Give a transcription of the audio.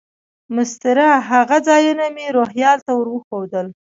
مسطر هغه ځایونه مې روهیال ته ور وښوول.